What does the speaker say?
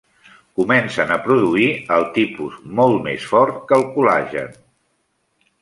Comencen a produir el tipus molt més fort que el col·lagen.